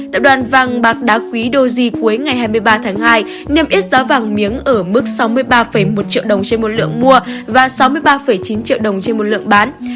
tập đoàn vàng bạc đá quý doji cuối ngày hai mươi ba tháng hai niêm yết giá vàng miếng ở mức sáu mươi ba một triệu đồng trên một lượng mua và sáu mươi ba chín triệu đồng trên một lượng bán